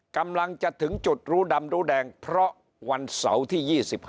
กำลังจะถึงจุดรู้ดำรู้แดงเพราะวันเสาร์ที่๒๕